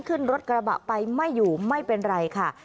ขึ้นรถกระบะไปไม่อยู่ไม่เป็นไรค่ะ